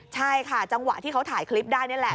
ใช่ค่ะจังหวะที่เขาถ่ายคลิปได้นี่แหละ